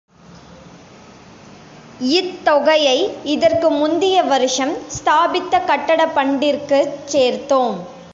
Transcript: இத்தொகையை இதற்கு முந்திய வருஷம் ஸ்தாபித்த கட்டட பண்டிற்கு ச் சேர்த்தோம்.